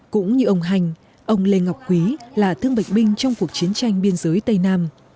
cũng như ông hanh ông lê ngọc quý là thương bệnh binh trong cuộc chiến tranh biên giới tây nam